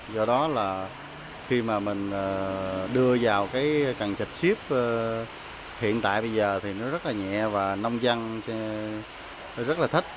do đó là khi mà mình đưa vào cái cần chạch xếp hiện tại bây giờ thì nó rất là nhẹ và nông dân rất là thích